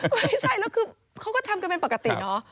ไม่ใช่แล้วคือเขาก็ทำกันเป็นปกติเนอะ